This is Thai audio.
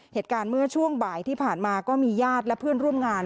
เหตุการณ์เมื่อช่วงบ่ายที่ผ่านมาก็มีญาติและเพื่อนร่วมงาน